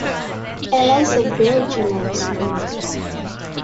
Ella is a very generous woman.